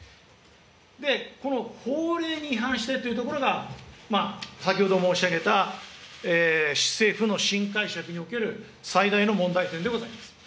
この法令に違反してというところが、先ほど申し上げた、政府の新解釈における最大の問題点でございます。